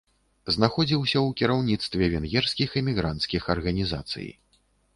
Знаходзіўся ў кіраўніцтве венгерскіх эмігранцкіх арганізацый.